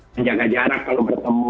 menjaga jarak kalau bertemu